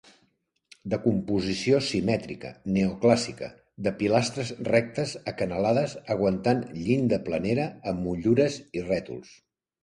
De composició simètrica, neoclàssica, de pilastres rectes acanalades aguantant llinda planera amb motllures i rètols.